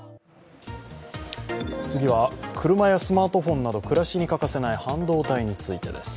次は、車やスマートフォンなど暮らしに欠かせない半導体についてです。